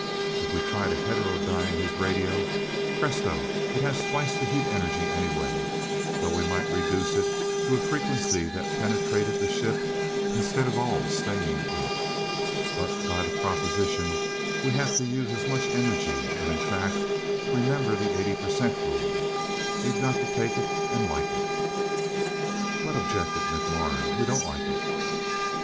If we try to heterodyne his radio presto it has twice the heat energy anyway, though we might reduce it to a frequency that penetrated the ship instead of all staying in it. But by the proposition, we have to use as much energy, and in fact, remember the 80% rule. We've got to take it and like it." "But," objected McLaurin, "we don't like it."